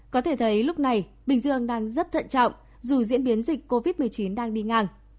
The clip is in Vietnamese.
có thể thấy lúc này bình dương đang rất thận trọng dù diễn biến dịch covid một mươi chín đang đi ngang